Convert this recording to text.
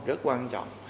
rất quan trọng